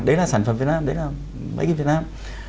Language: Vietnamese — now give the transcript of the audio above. đấy là sản phẩm việt nam đấy là máy kim việt nam